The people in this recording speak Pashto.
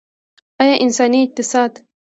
یو انساني اقتصاد.